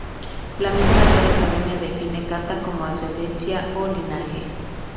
La misma Real Academia, define casta como ascendencia o linaje.